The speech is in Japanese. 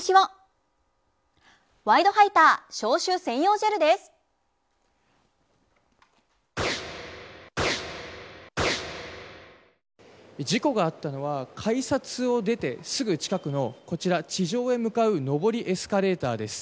中には流れに巻き込まれないよう事故があったのは改札を出てすぐ近くのこちら、地上へ向かう上りエスカレーターです。